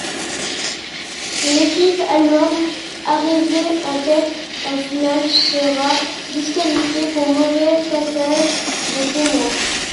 L’équipe allemande, arrivée en tête en finale, sera disqualifiée pour mauvais passage de témoin.